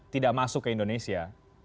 tidak masuk ke indonesia